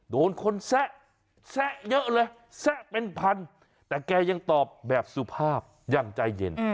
โดนคนแซะเยอะเลยแซะเป็นพันแต่แกยังตอบแบบสุภาพอย่างใจเย็น